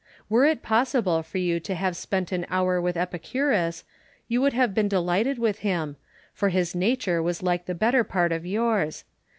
"Were it possible for you to have spent an hour with Epicurus, you would have been delighted with him ; for his nature was like the better part of yours.